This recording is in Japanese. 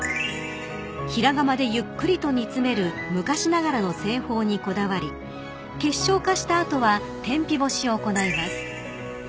［平釜でゆっくりと煮詰める昔ながらの製法にこだわり結晶化した後は天日干しを行います］